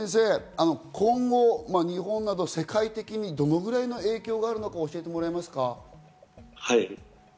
今後、日本など世界的にどのくらいの影響があるか教えてもらえますか。